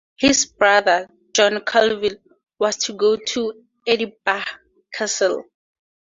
His brother John Colville was to go to Edinburgh Castle.